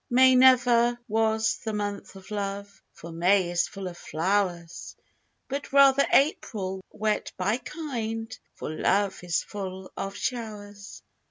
May never was the month of love, For May is full of flowers; But rather April, wet by kind; For love is full of showers.